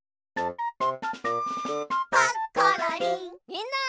みんな！